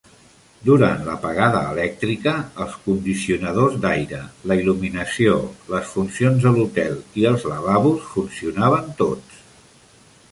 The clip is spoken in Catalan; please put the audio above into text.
Durant l'apagada elèctrica, els condicionadors d'aire, la il·luminació, les funcions de l'hotel i els lavabos funcionaven tots.